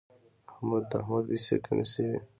د احمد پیسې کمې شوې.